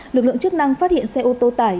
lực lượng chức năng phát hiện xe ô tô tải